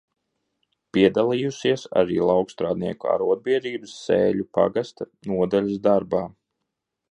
Piedalījusies arī laukstrādnieku arodbiedrības Sēļu pagasta nodaļas darbā.